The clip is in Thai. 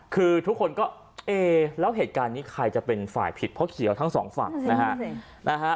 คือทุกคนก็เอ๊แล้วเหตุการณ์นี้ใครจะเป็นฝ่ายผิดเพราะเขียวทั้งสองฝั่งนะฮะ